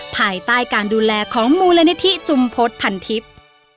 ภายใต้การดูแลของมูลนิธิจุมพฤษพันทิพย์